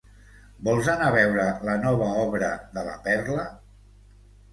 Vols anar a veure la nova obra de La Perla?